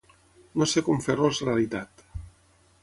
No sé com fer-los realitat.